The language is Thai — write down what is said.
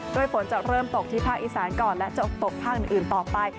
ฝนจะเริ่มตกที่ภาคอีสานก่อนและจะตกภาคอื่นต่อไป